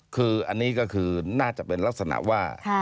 คืออันนี้ก็คือน่าจะเป็นลักษณะว่า